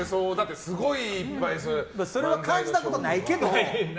それは感じたことないけど。